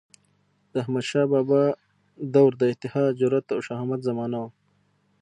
د احمدشاه بابا دور د اتحاد، جرئت او شهامت زمانه وه.